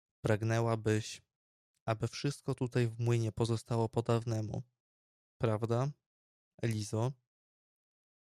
— Pragnęłabyś, aby wszystko tutaj w młynie pozostało po dawnemu, prawda, Lizo?